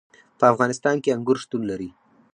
په افغانستان کې انګور شتون لري.